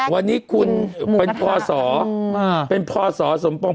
วันนี้คุณเป็นพศสมปอง